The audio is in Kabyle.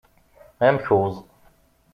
Amkuẓ.